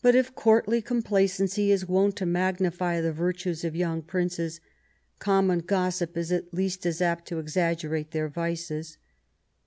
But if courtly complacency is wont to magnify the virtues of young princes, common gossip is at least as apt to exag gerate their vices.